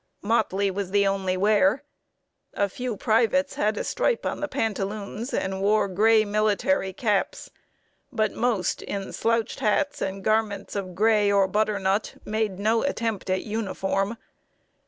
Motley was the only wear. A few privates had a stripe on the pantaloons and wore gray military caps; but most, in slouched hats and garments of gray or butternut, made no attempt at uniform.